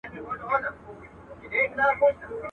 مرګه ونیسه لمنه چي در لوېږم.